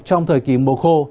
trong thời kỳ mùa khô